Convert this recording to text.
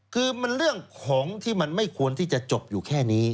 คือมันเรื่องของที่มันไม่ควรที่จะจบอยู่แค่นี้